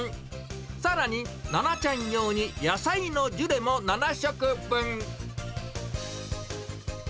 さらに、ななちゃん用に野菜のジュレも７食分。